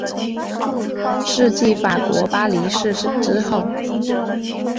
是继法国巴黎市之后。